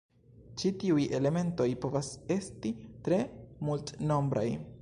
Ĉi tiuj elementoj povas esti tre multnombraj.